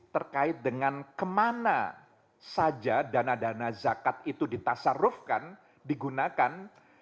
terkait dengan kemana saja dana dana zakat itu ditasarufkan digunakan